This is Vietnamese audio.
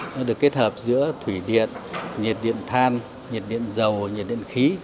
nó được kết hợp giữa thủy điện nhiệt điện than nhiệt điện dầu nhiệt điện khí